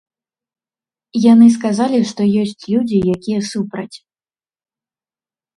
Яны сказалі, што ёсць людзі, якія супраць.